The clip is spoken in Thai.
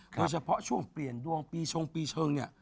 เพราะเฉพาะช่วงเปลี่ยนดวงปีชงเนี่ย